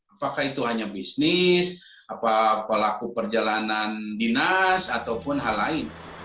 apakah itu hanya bisnis pelaku perjalanan dinas ataupun hal lain